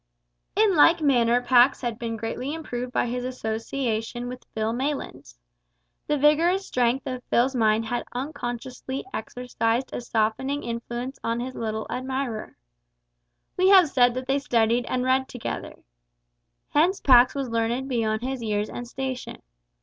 In like manner Pax had been greatly improved by his association with Phil Maylands. The vigorous strength of Phil's mind had unconsciously exercised a softening influence on his little admirer. We have said that they studied and read together. Hence Pax was learned beyond his years and station.